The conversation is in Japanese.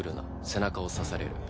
背中を刺される。